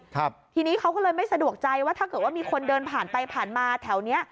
ครับทีนี้เขาก็เลยไม่สะดวกใจว่าถ้าเกิดว่ามีคนเดินผ่านไปผ่านมาแถวเนี้ย